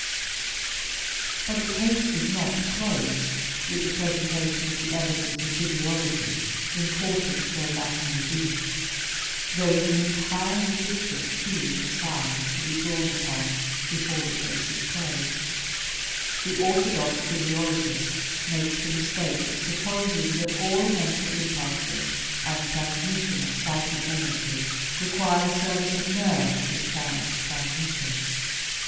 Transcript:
But the case is not closed with the presentation of the evidence of physiology, important though that may be. There is an entirely different field of science to be drawn upon before the case is closed. The orthodox physiologist makes the mistake of supposing that all mental impulses and transmission of psychic energy require the service of nerves as channels of transmission.